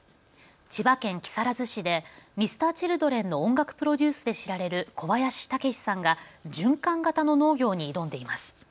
千葉県木更津市でＭｒ．Ｃｈｉｌｄｒｅｎの音楽プロデュースで知られる小林武史さんが循環型の農業に挑んでいます。